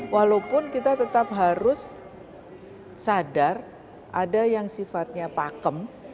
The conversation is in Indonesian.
walaupun kita tetap harus sadar ada yang sifatnya pakem